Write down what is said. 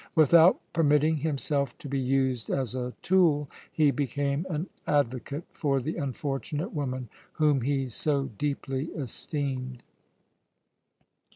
Without permitting himself to be used as a tool, he became an advocate for the unfortunate woman whom he so deeply esteemed.